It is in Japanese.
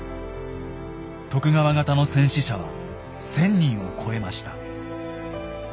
徳川方の戦死者は１，０００人を超えました。